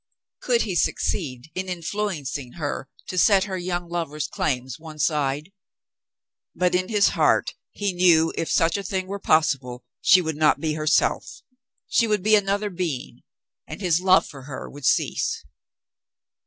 Could he succeed in influencing her to set her young lover's claims one side ? But in his heart he knew if such a thing were possible, she would not be herself ; she would be another being, and his love for her would cease.